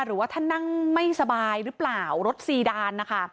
หรือว่าท่านนั่งไม่สบายหรือเปล่ารถซีดานนะคะ